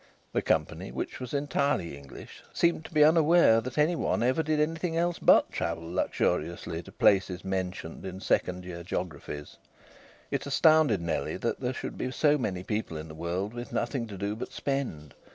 The company, which was entirely English, seemed to be unaware that any one ever did anything else but travel luxuriously to places mentioned in second year geographies. It astounded Nellie that there should be so many people in the world with nothing to do but spend.